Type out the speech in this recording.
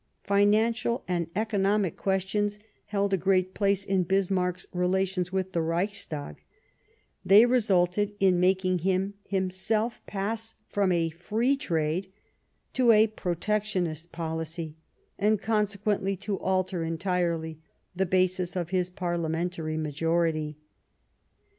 Financial and economic questions held a great place in Bismarck's relations with the Reichstag ; they resulted in making him himself pass from a free trade to a protectionist policy, and consequently to alter entirely the basis of his parliamentary majority.